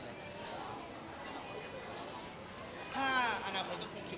ถ้าอนาคตก็คิดว่าอยากทำให้อีกครับ